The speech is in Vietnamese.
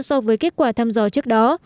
so với kết quả thăm dò trước đó